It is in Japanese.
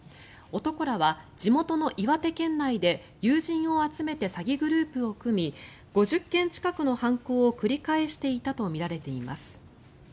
男らは地元の岩手県内で友人を集めて詐欺グループを組み５０件近くの犯行を繰り返していたとみられています。